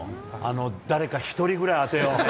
誰か一人ぐらい当てようね。